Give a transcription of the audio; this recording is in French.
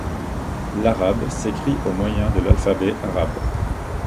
L'arabe s'écrit au moyen de l'alphabet arabe.